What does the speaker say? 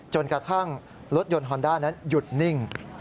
กระทั่งรถยนต์ฮอนด้านั้นหยุดนิ่ง